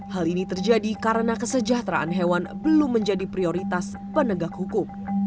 hal ini terjadi karena kesejahteraan hewan belum menjadi prioritas penegak hukum